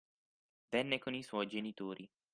Venne con i suoi genitori.